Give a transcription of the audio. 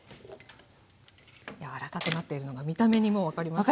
柔らかくなっているのが見た目にもう分かりますね。